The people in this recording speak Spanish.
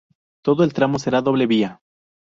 Todo el tramo será de doble vía.